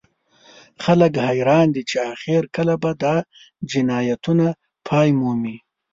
خلک حیران دي چې اخر کله به دا جنایتونه پای مومي